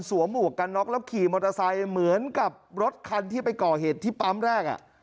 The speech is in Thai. หมวกกันน็อกแล้วขี่มอเตอร์ไซค์เหมือนกับรถคันที่ไปก่อเหตุที่ปั๊มแรก